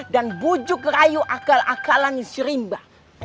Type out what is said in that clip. dan bujuk rayu akal akalan si rimba